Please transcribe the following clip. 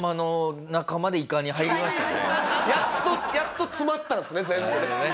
やっとやっと詰まったんですね全部ね。